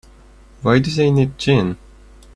Why do they need gin?